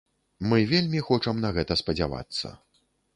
Мы вельмі хочам на гэта спадзявацца.